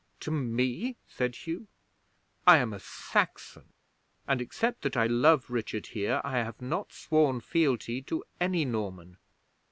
'"To me?" said Hugh. "I am a Saxon, and, except that I love Richard here, I have not sworn fealty to any Norman."